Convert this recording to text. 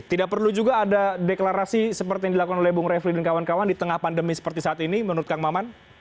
tidak perlu juga ada deklarasi seperti yang dilakukan oleh bung refli dan kawan kawan di tengah pandemi seperti saat ini menurut kang maman